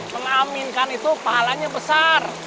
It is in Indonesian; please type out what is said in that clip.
mengaminkan itu pahalanya besar